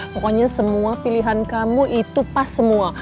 pokoknya semua pilihan kamu itu pas semua